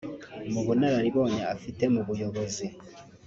Mu bunararibonye afite mu buyobozi